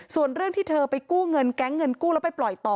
ส่วนเรื่องที่เธอไปกู้เงินแก๊งเงินกู้แล้วไปปล่อยต่อ